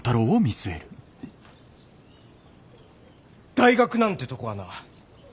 大学なんてとこはな